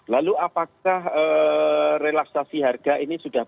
lalu apakah relaksasi harga itu rp lima sampai rp enam